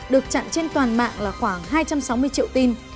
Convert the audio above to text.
được chặn trên toàn mạng là khoảng hai trăm sáu mươi triệu tin